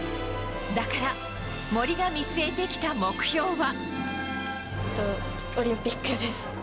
だから森が見据えてきた目標は。